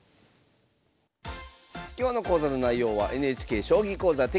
今日の講座の内容はＮＨＫ「将棋講座」テキスト